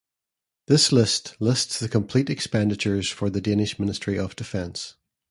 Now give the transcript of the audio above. This list lists the complete expenditures for the Danish Ministry of Defence.